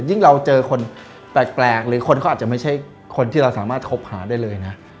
ยิ่งเราเจอคนแปลกหรือคนเขาอาจจะไม่ใช่คนที่เราสามารถคบหาได้เลยนะ